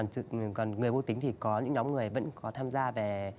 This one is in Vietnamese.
còn người vô tính thì có những nhóm người vẫn có tham gia về